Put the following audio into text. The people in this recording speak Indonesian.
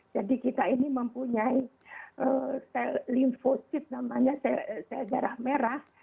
jadi kita ini mempunyai cell lymphocytes namanya cell darah merah